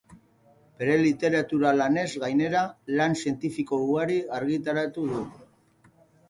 Bere literatura-lanez gainera, lan zientifiko ugari argitaratu du.